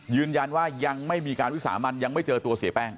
ยืนยันว่ายังไม่มีการวิสามันยังไม่เจอตัวเสียแป้ง